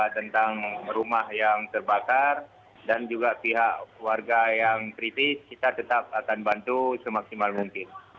tentang rumah yang terbakar dan juga pihak warga yang kritis kita tetap akan bantu semaksimal mungkin